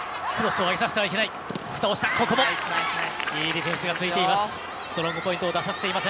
いいディフェンスが続いています。